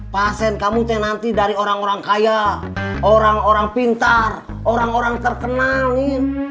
pasien kamu tenanti dari orang orang kaya orang orang pintar orang orang terkenal ini